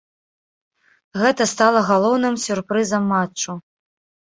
Гэта стала галоўным сюрпрызам матчу.